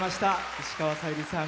石川さゆりさん